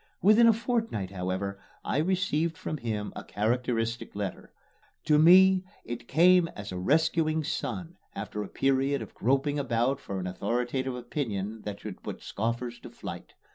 Within a fortnight, however, I received from him a characteristic letter. To me it came as a rescuing sun, after a period of groping about for an authoritative opinion that should put scoffers to flight.